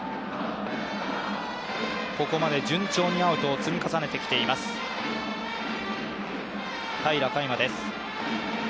ここまで順調にアウトを積み重ねてきています平良海馬です。